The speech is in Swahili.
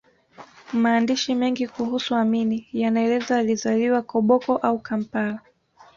Maandishi mengi kuhusu amini yanaeleza alizaliwa Koboko au Kampala